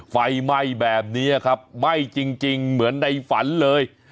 ไฟไหม้แบบนี้ครับไหม้จริงเหมือนในฝันเลย